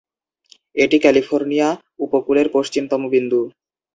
এটি ক্যালিফোর্নিয়া উপকূলের পশ্চিমতম বিন্দু।